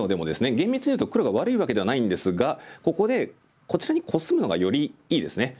厳密にいうと黒が悪いわけではないんですがここでこちらにコスむのがよりいいですね。